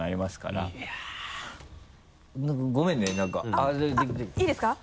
あっいいですか？